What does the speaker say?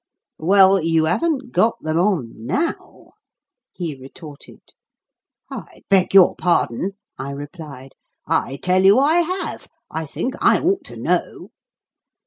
"Well, you haven't got them on now," he retorted. "I beg your pardon," I replied. "I tell you I have; I think I ought to know."